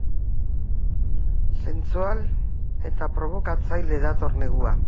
Sentsual eta probokatzaile dator negua.